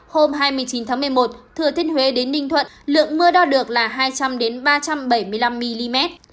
hôm hai mươi chín tháng một mươi một thừa thiên huế đến ninh thuận lượng mưa đo được là hai trăm linh ba trăm bảy mươi năm mm